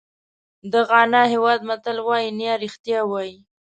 د غانا هېواد متل وایي نیا رښتیا وایي.